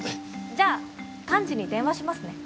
じゃあ幹事に電話しますね